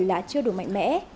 đã chưa đủ mạnh mẽ